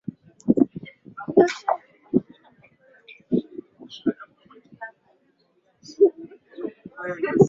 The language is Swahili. Krioli ni pijini iliyokomaa na kukubalika.